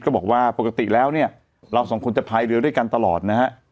บอกว่าปกติแล้วเนี่ยเราสองคนจะพายเรือด้วยกันตลอดนะฮะ